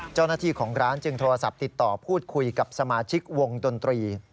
เจ้าของร้านจึงโทรศัพท์ติดต่อพูดคุยกับสมาชิกวงดนตรี